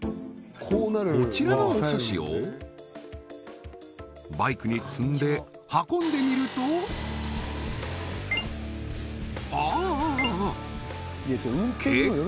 こちらのお寿司をバイクに積んで運んでみるとああああ結構揺れちゃってますけど？